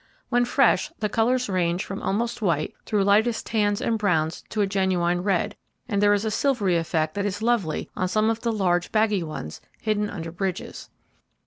When fresh, the colours range from almost white through lightest tans and browns to a genuine red, and there is a silvery effect that is lovely on some of the large, baggy ones, hidden under bridges.